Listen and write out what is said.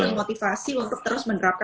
dan motivasi untuk terus mendorongnya